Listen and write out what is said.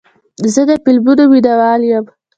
زه د فلمونو مینهوال یم.